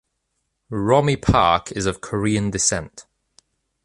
Romi Park is of Korean descent.